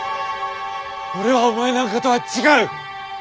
俺はお前なんかとは違う！